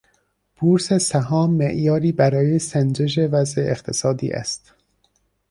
بورس سهام معیاری برای سنجش وضع اقتصادی است.